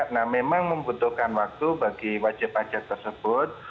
nah memang membutuhkan waktu bagi wajib pajak tersebut